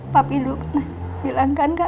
papi dulu pernah bilang kan kakak